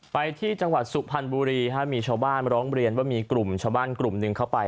ไปที่จังหวัดสุพรรณบุรีมีชาวบ้านมาร้องเรียนว่ามีกลุ่มชาวบ้านกลุ่มหนึ่งเข้าไป